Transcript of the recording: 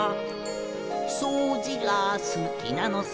「そうじがすきなのさ」